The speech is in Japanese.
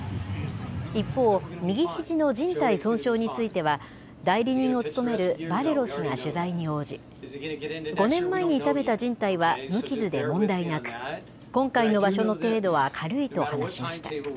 一方、右ひじのじん帯損傷については、代理人を務めるバレロ氏が取材に応じ、５年前に痛めたじん帯は無傷で問題なく、今回の場所の程度は軽いと話しました。